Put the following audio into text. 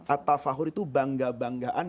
attafahur itu bangga banggaan